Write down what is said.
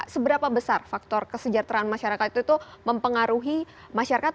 seberapa besar faktor kesejahteraan masyarakat itu mempengaruhi masyarakat